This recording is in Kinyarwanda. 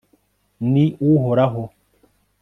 ni uhoraho